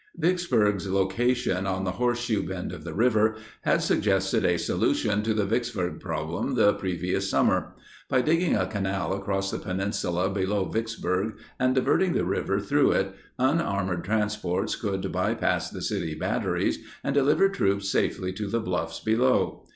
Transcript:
Vicksburg's location on the horseshoe bend of the river had suggested a solution to the Vicksburg problem the previous summer. By digging a canal across the peninsula below Vicksburg and diverting the river through it, unarmored transports could bypass the city batteries and deliver troops safely to the bluffs below.